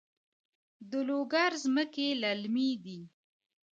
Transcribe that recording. د لوګر ځمکې للمي دي